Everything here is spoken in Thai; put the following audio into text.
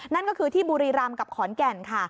นั่นก็คือที่บุรีรำกับขอนแก่นค่ะ